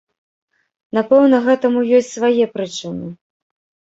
Напэўна, гэтаму ёсць свае прычыны.